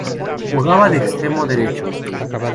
Jugaba de extremo derecho.